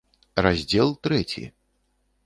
РАЗДЗЕЛ ТРЭЦІ.